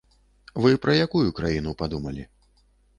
Вы пра якую краіну падумалі?